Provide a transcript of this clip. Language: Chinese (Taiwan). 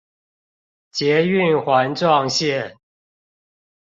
捷運環狀線